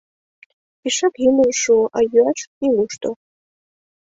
Пешак йӱмыжӧ шуо, а йӱаш нигушто.